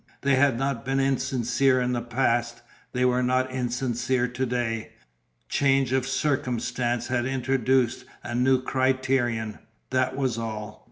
They had not been insincere in the past; they were not insincere to day: change of circumstance had introduced a new criterion: that was all.